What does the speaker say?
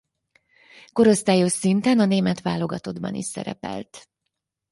Korosztályos szinten a német válogatottban is szerepelt.